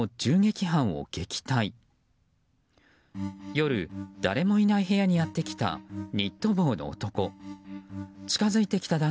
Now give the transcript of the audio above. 夜、誰もいない部屋にやってきたニット帽の男。